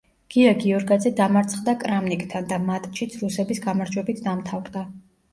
გია გიორგაძე დამარცხდა კრამნიკთან და მატჩიც რუსების გამარჯვებით დამთვრდა.